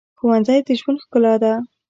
ښوونځی د ژوند ښکلا ده